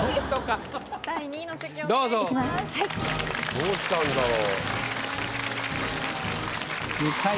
どうしたんだろう？